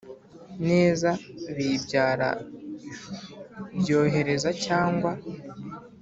neza bibyara byohereza cyangwa